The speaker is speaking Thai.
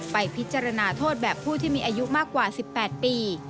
ไปพิจารณาโทษแบบผู้ที่มีอายุมากกว่า๑๘ปี